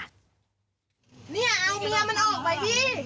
เนี่ยเอาเมียมันออกไปพี่